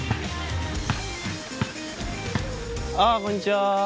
あぁこんにちは。